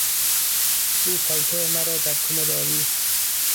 او پالتو مرا در کمد آویخت.